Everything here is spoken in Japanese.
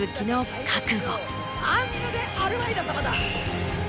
アンヌ・デ・アルワイダ様だ！